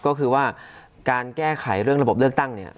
ก็คือว่าการแก้ไขเรื่องระบบเลือกตั้งเนี่ย